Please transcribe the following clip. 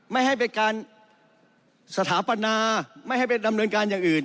ไม่ให้เป็นการสถาปนาไม่ให้ไปดำเนินการอย่างอื่น